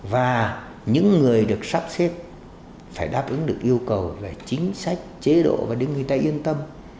và những người được sắp xếp phải đáp ứng được yêu cầu về chính sách chế độ và để người ta yên tâm